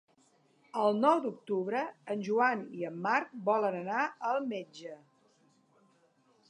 El nou d'octubre en Joan i en Marc volen anar al metge.